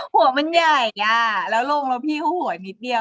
หัวมันใหญ่อ่ะแล้วลงแล้วพี่เขาหวยนิดเดียว